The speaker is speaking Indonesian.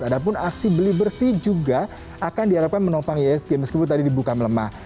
ada pun aksi beli bersih juga akan diharapkan menopang iisg meskipun tadi dibuka melemah